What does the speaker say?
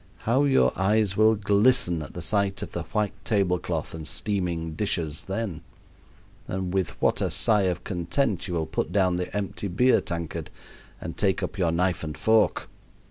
How your eyes will glisten at sight of the white table cloth and steaming dishes then! With what a sigh of content you will put down the empty beer tankard and take up your knife and fork!